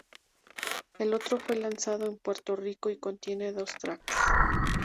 El otro fue lanzado en Puerto Rico y contiene dos tracks.